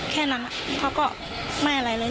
แค่นั้นเขาก็ไม่อะไรเลย